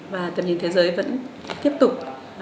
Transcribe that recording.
và tầm nhìn thế giới vẫn tiếp tục